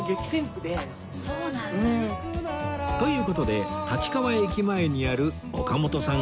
という事で立川駅前にある岡本さん